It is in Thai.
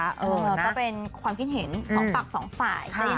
แล้วก็เป็นความคิดเห็นสองปากสองสาย